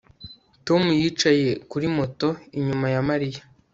Tom yicaye kuri moto inyuma ya Mariya